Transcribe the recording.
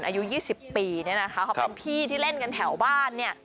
อายุ๒๐ปีเนี่ยนะคะเขาเป็นพี่ที่เล่นกันแถวบ้านเนี่ย